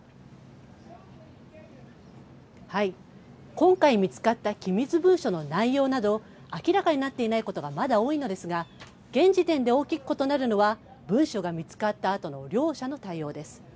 今回見つかった機密文書の内容など明らかになっていないことがまだ多いのですが現時点で大きく異なるのは文書が見つかったあとの両者の対応です。